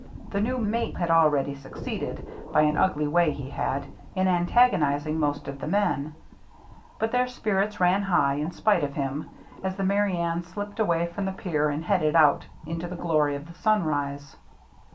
The new mate had already succeeded, by an ugly way he had, in antagonizing most of the men ; but their spirits ran high, in spite of him, as the Merry Anne slipped away from the pier and headed out into the glory of the sunrise.